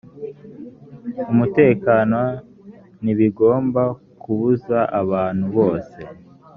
umutekano ntibigomba kubuza abantu bose